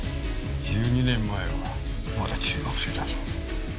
１２年前はまだ中学生だぞ。